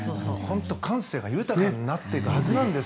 感性が豊かになってくはずなんです。